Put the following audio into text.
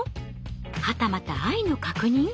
はたまた愛の確認？